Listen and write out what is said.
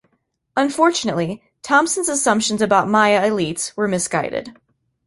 Unfortunately, Thompson's assumptions about Maya elites were misguided.